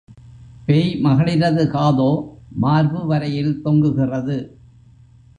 பேய் மகளிரது காதோ மார்பு வரையில் தொங்குகிறது.